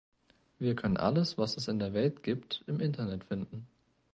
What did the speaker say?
Wir können alles, was es in der Welt gibt, im Internet finden.